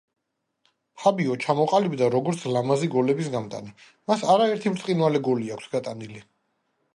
ფაბიო ჩამოყალიბდა როგორც ლამაზი გოლების გამტანი, მას არაერთი ბრწყინვალე გოლი აქვს გატანილი.